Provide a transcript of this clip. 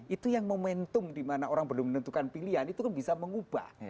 itu yang momentum dimana orang belum menentukan pilihan itu kan bisa mengubah